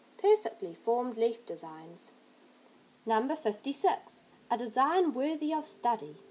Perfectly formed leaf designs. No. 56. A design worthy of study.